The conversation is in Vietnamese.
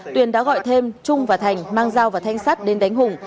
tuyền đã gọi thêm trung và thành mang dao và thanh sắt đến đánh hùng